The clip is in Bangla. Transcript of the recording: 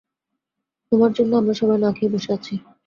তোমার জন্যে আমরা সবাই না-খেয়ে বসে আছি।